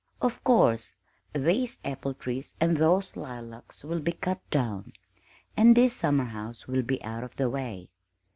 Of course these apple trees and those lilacs will be cut down, and this summerhouse will be out of the way.